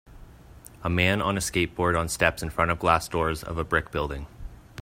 A man on a skateboard on steps in front glass doors of a brick building.